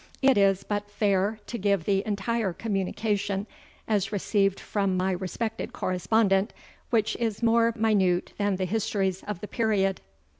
It is but fair to give the entire communication as received from my respected correspondent, which is more minute than the histories of the period.